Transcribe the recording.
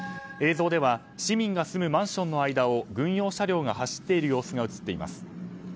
映像では市民が住むマンションの間を軍用車両が走っている様子が映っています。